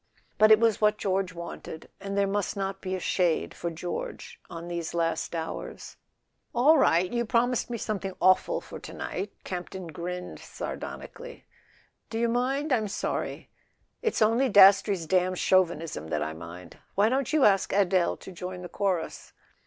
But it was what George wanted; and there must not be a shade, for George, on these last hours. A SON AT THE FRONT "All right! You promised me something awful for to night," Camp ton grinned sardonically. "Do you mind? I'm sorry." "It's only Dastrey's damned chauvinism that I mind. Why don't you ask Adele to join the chorus?"